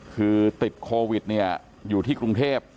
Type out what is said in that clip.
คือติดโควิดเนี่ยอยู่ที่กรุงเทพ